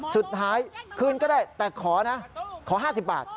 สุดท้ายคืนก็ได้แต่ขอนะขอ๕๐บาท